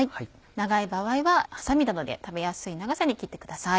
長い場合はハサミなどで食べやすい長さに切ってください。